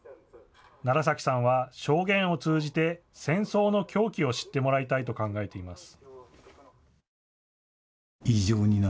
楢崎さんは証言を通じて戦争の狂気を知ってもらいたいと考えています。